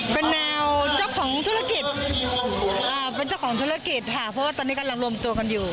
เป็นแนวเจ้าของธุรกิจเป็นเจ้าของธุรกิจค่ะเพราะว่าตอนนี้กำลังรวมตัวกันอยู่